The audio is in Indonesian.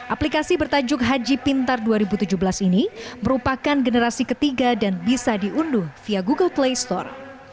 aplikasi bertajuk haji pintar dua ribu tujuh belas ini merupakan generasi ketiga dan bisa diunduh via google play store